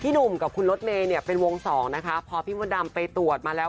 หนุ่มกับคุณรถเมย์เนี่ยเป็นวงสองนะคะพอพี่มดดำไปตรวจมาแล้ว